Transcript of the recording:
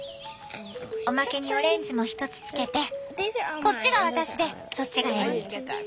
おまけにオレンジも１つつけてこっちが私でそっちがエリー。